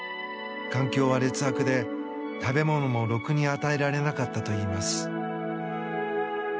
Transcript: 環境は劣悪で食べ物もろくに与えられなかったといいます。